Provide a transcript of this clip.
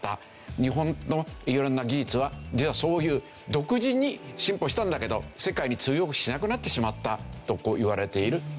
日本の色んな技術は実はそういう独自に進歩したんだけど世界に通用しなくなってしまったといわれているという事ですよね。